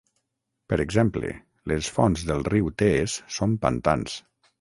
Per exemple, les fonts del riu Tees són pantans.